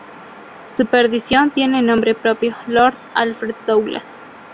Su perdición tiene nombre propio: Lord Alfred Douglas.